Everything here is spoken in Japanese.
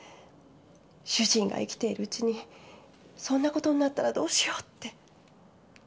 主人が生きているうちにそんな事になったらどうしようって。